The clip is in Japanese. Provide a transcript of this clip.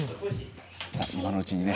「さあ今のうちにね」